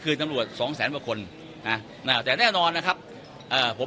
คืนทำรวชสองแสนพอคนนะแต่แน่นอนนะครับเอ่อผม